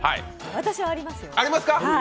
私はありますよ。